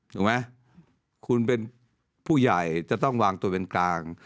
ถูกไหมคุณเป็นผู้ใหญ่จะต้องวางตัวเป็นกลาง